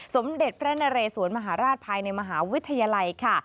สมเด็จพระนเรสวนมหาราชภายในมหาวิทยาลัยค่ะ